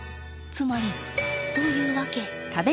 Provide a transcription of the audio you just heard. つまりというわけ。